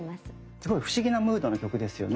すごい不思議なムードの曲ですよね。